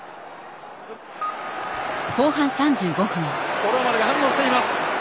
五郎丸が反応しています。